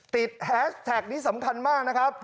ติดแฮสแทคนี้สำคัญมากนะครับ